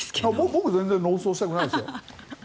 僕全然、論争したくないですよ。